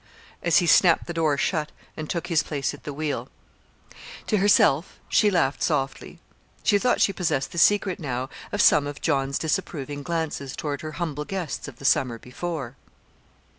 as he snapped the door shut and took his place at the wheel. To herself she laughed softly. She thought she possessed the secret now of some of John's disapproving glances toward her humble guests of the summer before.